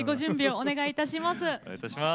お願いいたします。